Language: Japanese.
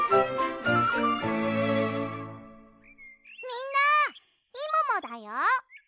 みんなみももだよ。